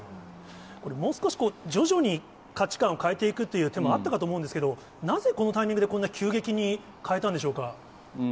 これ、もう少し徐々に価値観を変えていくという手もあったかと思うんですけども、なぜこのタイミングで、こんな急激に変えたんでしょうか。